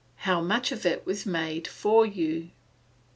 how much of it was made for you?